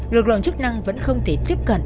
lực lượng chức năng vẫn không thể tiếp cận